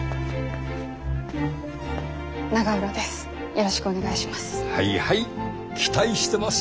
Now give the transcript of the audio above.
よろしくお願いします。